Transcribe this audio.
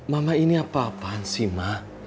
mama ini apa apaan sih mak